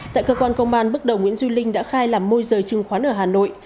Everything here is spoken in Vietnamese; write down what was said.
tại cơ quan công an bước đầu nguyễn duy linh đã khai làm môi rời chứng khoán ở hà nội